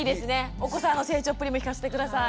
お子さんの成長っぷりも聞かせて下さい。